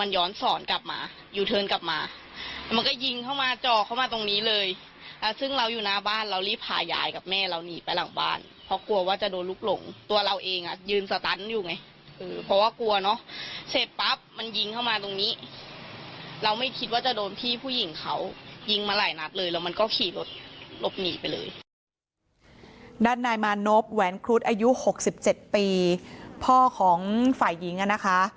ด้านนายมานพแหวนครุฑอายุ๖๗ปีพ่อของฝ่ายหญิงอ่ะนะคะ